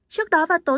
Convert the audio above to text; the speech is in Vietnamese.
trước đó vào tối